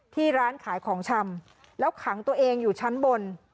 ที่ร้านขายของชำแล้วขังตัวเองอยู่ชั้นบน